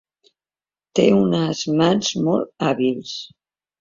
Té unes mans molt hàbils.